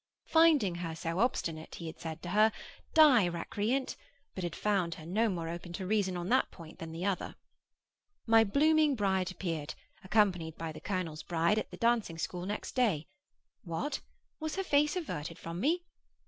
Finding her so obstinate, he had said to her, 'Die, recreant!' but had found her no more open to reason on that point than the other. My blooming bride appeared, accompanied by the colonel's bride, at the dancing school next day. What? Was her face averted from me?